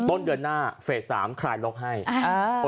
ต้นเดือนหน้าเฟสสามคลายล็อกให้อ่า